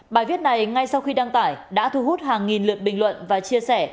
bài viết này ngay sau khi đăng tải đã thu hút hàng nghìn lượt bình luận và chia sẻ